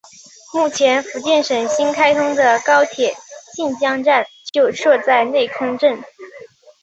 目前福建省新开通的高铁晋江站就设在内坑镇。